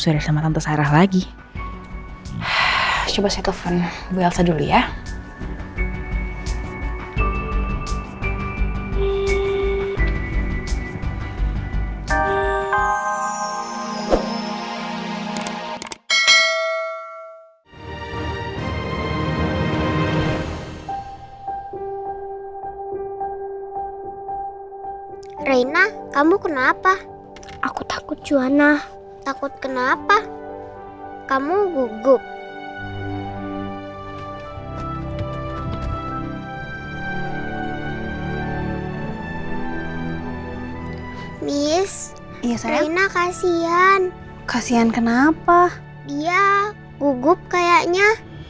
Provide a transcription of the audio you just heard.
dia gugup kayaknya